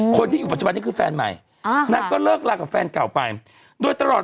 คนที่อยู่ปัจจุบันนี้คือแฟนใหม่ก็เลิกลากับแฟนเก่าไปโดยตลอด